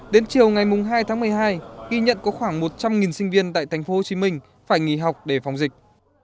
đến chiều ngày hai tháng một mươi hai ghi nhận có khoảng một trăm linh sinh viên tại tp hcm phải nghỉ học để phòng dịch